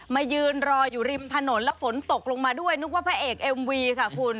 มายืนรออยู่ริมถนนแล้วฝนตกลงมาด้วยนึกว่าพระเอกเอ็มวีค่ะคุณ